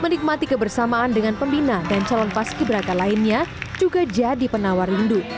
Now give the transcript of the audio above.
menikmati kebersamaan dengan pembina dan calon paski beraka lainnya juga jadi penawar rindu